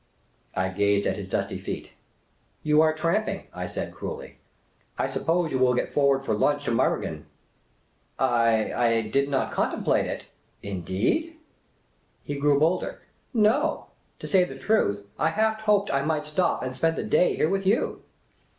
I gazed at his dusty feet. " You are tramping," I said, cruelly. " I suppose you will get forward for lunch to Meiringen ?"" I — I did not contemplate it." "Indeed?" He grew bolder. " No ; to say the truth, I half hoped I might stop and spend the day here with you."